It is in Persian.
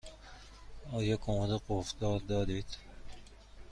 آیا کمد قفل دار دارید؟